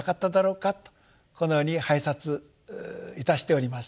このように拝察いたしております。